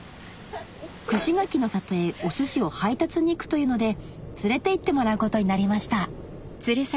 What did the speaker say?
串柿の里へおすしを配達に行くというので連れて行ってもらうことになりました